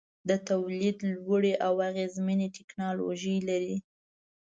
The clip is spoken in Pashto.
د تولید لوړې او اغیزمنې ټیکنالوجۍ لري.